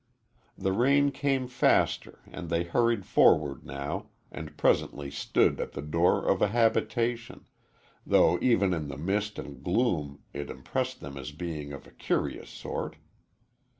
The rain came faster and they hurried forward now and presently stood at the door of a habitation, though even in the mist and gloom it impressed them as being of a curious sort.